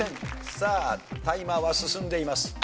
さあタイマーは進んでいます。